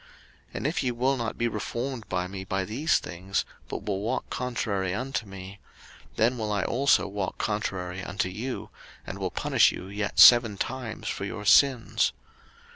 03:026:023 And if ye will not be reformed by me by these things, but will walk contrary unto me; 03:026:024 Then will I also walk contrary unto you, and will punish you yet seven times for your sins.